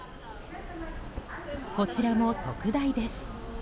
こちらも特大です。